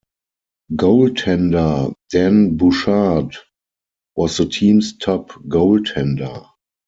Goaltender Dan Bouchard was the team's top goaltender.